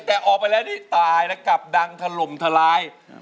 แต่ออกไปแล้วนี่ตายแล้วกลับดังถล่มทลาย